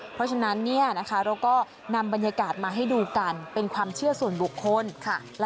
เพราะฉะนั้นเราก็นำบรรยากาศมาให้ดูกันเป็นความเชื่อส่วนบุคคล